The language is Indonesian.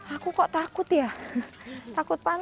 aku kok takut ya takut pan